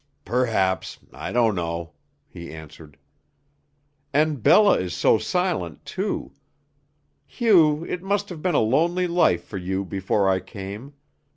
"Perhaps. I don't know," he answered. "And Bella is so silent, too. Hugh, it must have been a lonely life for you before I came.